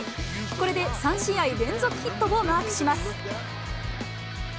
これで３試合連続ヒットをマークします。